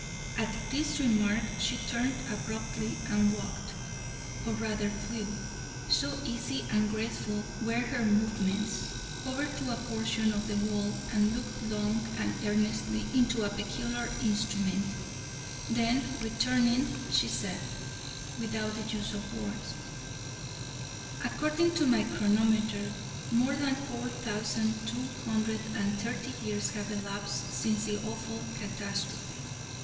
At this remark she turned abruptly and walked or rather flew, so easy and graceful were her movements over to a portion of the wall and looked long and earnestly into a peculiar instrument, then returning she said: (without the use of words) "according to my chronometer, more than four thousand two hundred and thirty years have elapsed since the awful catastrophe."